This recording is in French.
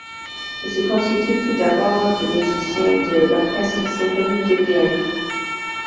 Il se constitue tout d'abord de musiciens de l'Orchestre symphonique de Vienne.